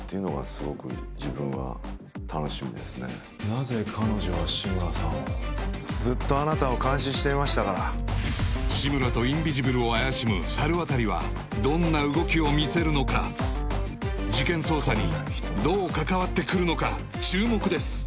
なぜ彼女は志村さんをずっとあなたを監視していましたから志村とインビジブルを怪しむ猿渡はどんな動きを見せるのか事件捜査にどう関わってくるのか注目です